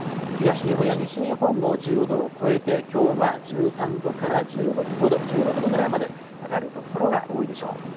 東日本や西日本も１０度を超えて、きょうは１３度から１５度、１６度ぐらいまで上がる所が多いでしょう。